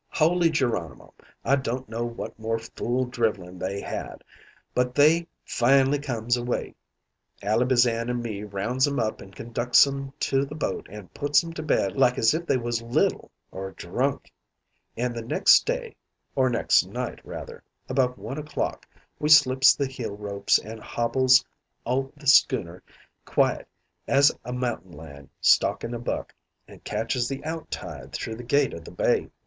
"Holy Geronimo! I don't know what more fool drivelin' they had, but they fin'ly comes away. Ally Bazan and me rounds 'em up and conducts 'em to the boat an' puts 'em to bed like as if they was little or drunk, an' the next day or next night, rather about one o'clock, we slips the heel ropes and hobbles o' the schooner quiet as a mountain lion stalking a buck, and catches the out tide through the gate o' the bay.